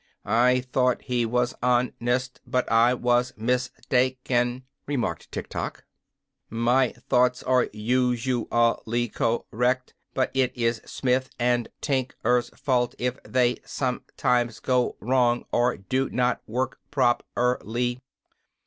"I thought he was hon est, but I was mis tak en," remarked Tiktok. "My thoughts are us u al ly cor rect, but it is Smith & Tin ker's fault if they some times go wrong or do not work prop er ly."